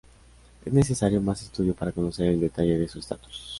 Es necesario más estudio para conocer el detalle de su estatus.